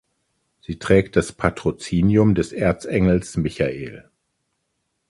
Sie trägt das Patrozinium des Erzengels Michael.